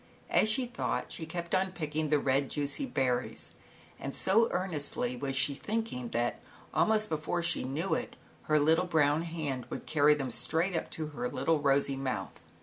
As she thought, she kept on picking the red, juicy berries, and so earnestly was she thinking that almost before she knew it, her little brown hand would carry them straight up to her little rosy mouth.